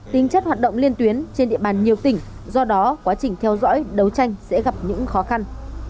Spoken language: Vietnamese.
tính chất hoạt động liên tuyến trên địa bàn nhiều tỉnh do đó quá trình theo dõi đấu tranh sẽ gặp những khó khăn